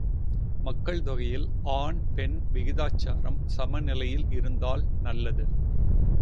மக்கள் தொகையில் ஆண் பெண் விகிதாசாரம் சமநிலையில் இருந்தால் நல்லது.